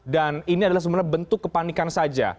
dan ini adalah bentuk kepanikan saja